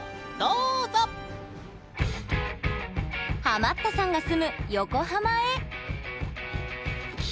ハマったさんが住む横浜へ。